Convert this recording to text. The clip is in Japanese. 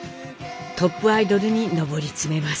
トップアイドルに上り詰めます。